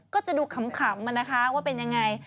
ก็จะดูขำมานะคะว่าเป็นอย่างไร